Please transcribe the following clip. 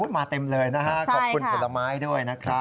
อุ๊ยมาเติมเลยขอบคุณผลไม้ด้วย